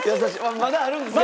まだあるんですね？